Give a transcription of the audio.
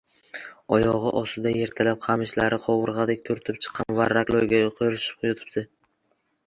Oyog‘i ostida yirtilib, qamishlari qovurg‘adek turtib chiqqan varrak loyga qo‘rishib yotibdi.